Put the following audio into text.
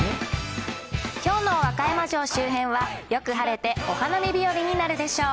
きょうの和歌山城周辺は、よく晴れてお花見日和になるでしょう。